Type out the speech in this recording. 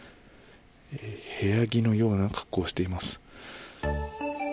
部屋着のような格好をしています。